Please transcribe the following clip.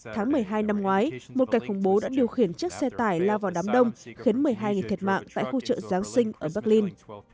tháng một mươi hai năm ngoái một kẻ khủng bố đã điều khiển chiếc xe tải lao vào đám đông khiến một mươi hai người thiệt mạng tại khu chợ giáng sinh ở berlin